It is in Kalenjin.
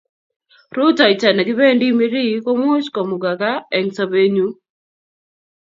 rotoito nekibendi Mirihi ko imuch komukaka eng sobenyu